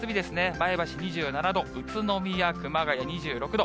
前橋２７度、宇都宮、熊谷２６度。